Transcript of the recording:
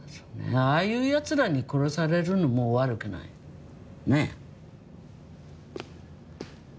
ああいう奴らに殺されるのも悪くないねえ。